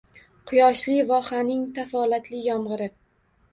Quyoshli vohaning talafotli yomg‘iri